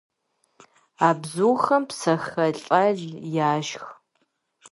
А бзухэм псэхэлӀэл яшх.